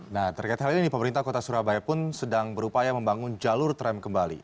nah terkait hal ini pemerintah kota surabaya pun sedang berupaya membangun jalur tram kembali